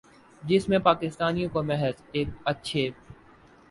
جس میں پاکستانیوں کو محض ایک اچھے